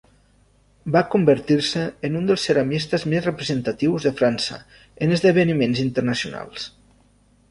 Va convertir-se en un dels ceramistes més representatius de França en esdeveniments internacionals.